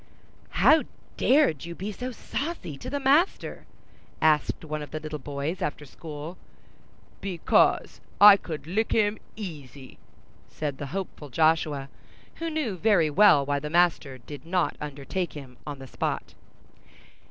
"How dared you be so saucy to the master?" asked one of the little boys, after school. "Because I could lick him, easy," said the hopeful Joshua, who knew very well why the master did not undertake him on the spot.